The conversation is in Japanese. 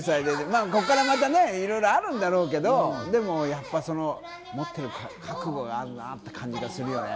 ここからまたいろいろあるんだろうけど、持っている覚悟があるなって感じがするよね。